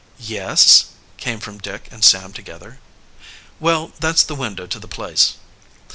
"Yes," came from Dick and Sam together. "Well, that's the window to the place."